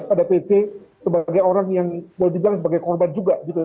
pada pc sebagai orang yang boleh dibilang sebagai korban juga gitu